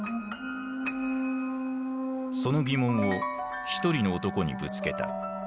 その疑問を一人の男にぶつけた。